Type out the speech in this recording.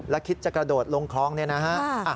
แล้วคิดจะกระโดดลงคลองเนี่ยนะฮะ